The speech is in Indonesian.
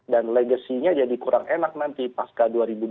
dan legasinya jadi kurang enak nanti pasca dua ribu dua puluh empat